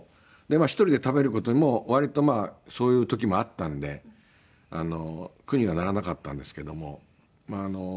１人で食べる事も割とまあそういう時もあったんで苦にはならなかったんですけども。